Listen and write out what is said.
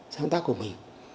sáng tác của mình